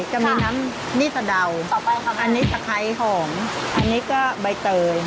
ก็มีน้ำนี่สะดาวอันนี้สะไข้หอมอันนี้ก็ใบเตย